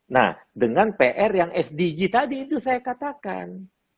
nah dengan pr yang sdg tadi itu saya katakan